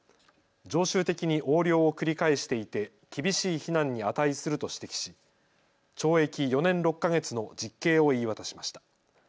常習的に横領を繰り返していて厳しい非難に値すると指摘し懲役４年６か月の実刑を言い渡しました。